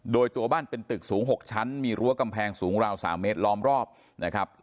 โดยตัวบ้านเป็นตึกสูง๖ชั้นมีรั้วกำแพงสูงราว๓เมตรล้อมรอบนะครับ